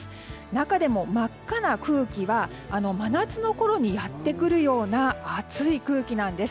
中でも真っ赤な空気は真夏のころにやってくるような暑い空気なんです。